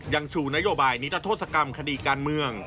ยังชูนโยบายนิทัศกรรมคดีการเมือง